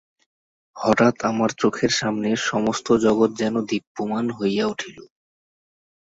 হঠাৎ আমার চোখের সামনে সমস্ত জগৎ যেন দীপ্যমান হয়ে উঠল।